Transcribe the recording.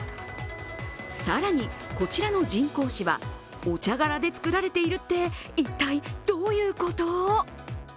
更に、こちらの人工芝、お茶殻で作られているって、一体、どういうこと？